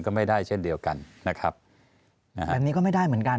ก็ไม่ได้เช่นเดียวกันนะครับแบบนี้ก็ไม่ได้เหมือนกัน